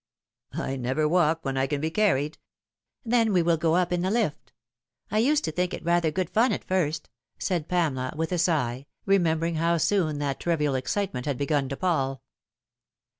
" I never walk when I can be carried." "Then we will go up in the lift. I used to think it rather good fun at first," said Pamela with a sigh, remember ing how soon that trivial excitement had begun to pall.